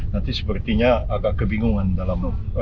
nanti sepertinya agak kebingungan dalam